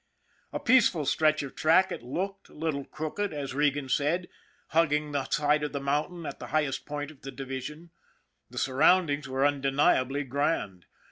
A peaceful stretch of track it looked, a little crooked, as Regan said, hugging the side of the mountain at the highest point of the division. The surroundings were undeniably grand.